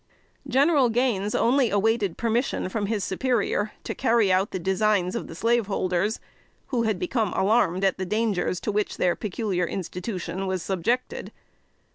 General Gaines only awaited permission from his superior to carry out the designs of the slaveholders, who had become alarmed at the dangers to which their "peculiar institution" was subjected.